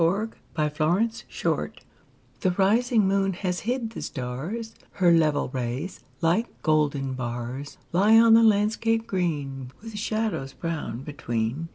20 48 ENDMYION ENDYMION The rising moon has hid the stars ; Her level rays, like golden bars, Lie on the landscape green, With shadows brown between.